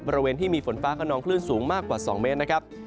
บริเวณที่มีฝนฟ้าเค้านองคลื่นสูงมากกว่า๒เมตร